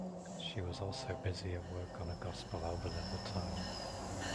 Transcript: She was also busy at work on a gospel album at the time.